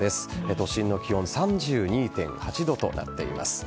都心の気温３２．８度となっています。